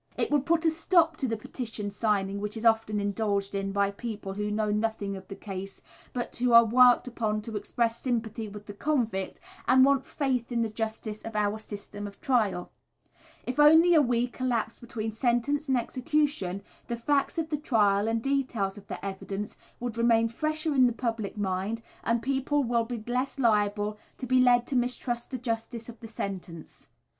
It would put a stop to the petition signing which is often indulged in by people who know nothing of the case, but who are worked upon to express sympathy with the convict, and want of faith in the justice of our system of trial. If only a week elapsed between sentence and execution, the facts of the trial and details of the evidence would remain fresher in the public mind, and people would be less liable to be led to mistrust the justice of the sentence.